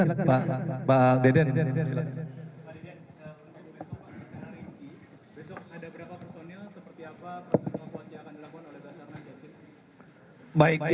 pak deden besok ada berapa personil seperti apa proses pengoperasian yang akan dilakukan oleh basar majak sipi